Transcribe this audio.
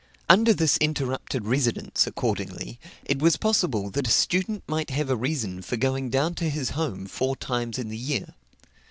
Under this interrupted residence, accordingly, it was possible that a student might have a reason for going down to his home four times in the year.